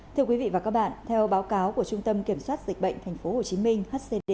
thưa quý vị và các bạn theo báo cáo của trung tâm kiểm soát dịch bệnh tp hcm hcd